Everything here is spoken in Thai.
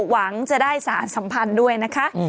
หวังจะได้สารสัมพันธ์ด้วยนะคะ